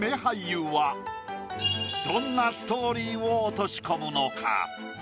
どんなストーリーを落とし込むのか？